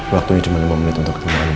waktunya cuma lima menit untuk ketemu andi